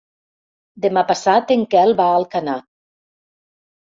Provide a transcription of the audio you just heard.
Demà passat en Quel va a Alcanar.